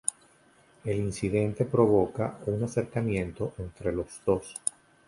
El incidente provoca un acercamiento entre los dos.